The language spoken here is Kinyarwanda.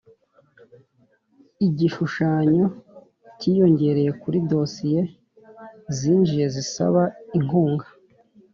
Igishushanyo cyiyongereye kuri Dosiye zinjiye zisaba inkunga